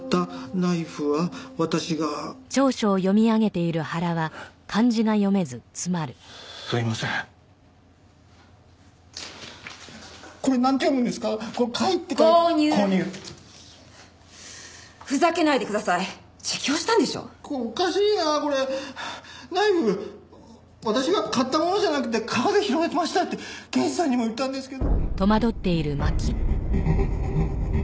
ナイフ私が買ったものじゃなくて川で拾いましたって刑事さんにも言ったんですけど。